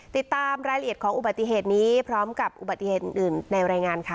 ติดตามรายละเอียดของอุบัติเหตุนี้พร้อมกับอุบัติเหตุอื่นในรายงานค่ะ